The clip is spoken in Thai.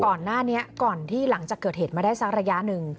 แล้วก่อนน่าเนี้ยก่อนหลังจากเกิดเผยฟุตรภัยมาได้สักระยะหนึ่ง